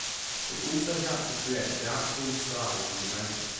It also helped create dancehall style in Jamaica.